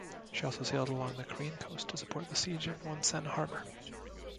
She also sailed along the Korean coast to support the siege of Wonsan harbor.